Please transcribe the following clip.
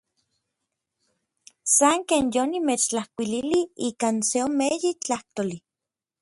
San ken yonimechtlajkuililij ikan seomeyi tlajtoli.